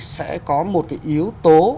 sẽ có một cái yếu tố